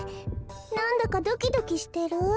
なんだかドキドキしてる？